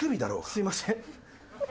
すみません。